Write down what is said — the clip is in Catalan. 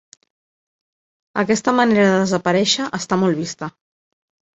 Aquesta manera de desaparèixer està molt vista.